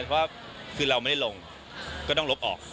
เพราะว่าคือเราไม่ได้ลงก็ต้องลบออก